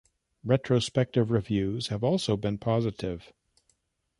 Retrospective reviews have also been positive.